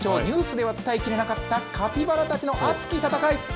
ニュースでは伝えきれなかった、カピバラたちの熱き戦い。